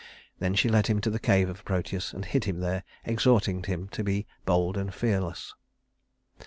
Then she led him to the cave of Proteus and hid him there, exhorting him to be bold and fearless.